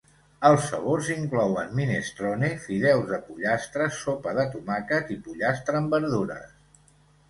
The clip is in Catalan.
Els sabors inclouen minestrone, fideus de pollastre, sopa de tomàquet i pollastre amb verdures.